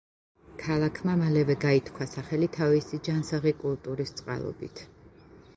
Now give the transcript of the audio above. ქალაქმა მალევე გაითქვა სახელი თავის ჯანსაღი კულტურის წყალობით.